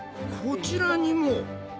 こちらにも！